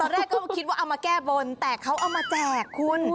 แรกก็คิดว่าเอามาแก้บนแต่เขาเอามาแจกคุณ